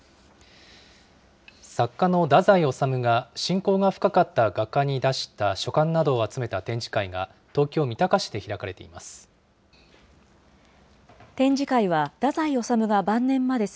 作家の太宰治が親交が深かった画家に出した書簡などを集めた展示会が、東京・三鷹市で開かれています。